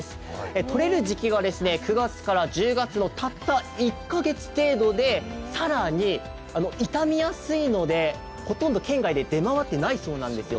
採れる時期が９月から１０月のたった１か月程度で更に、傷みやすいので、ほとんど県外で出回ってないそうなんですよ。